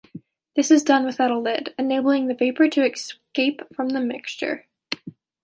This is done without a lid, enabling the vapor to escape from the mixture.